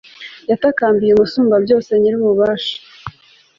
yatakambiye umusumbabyose nyir'ububasha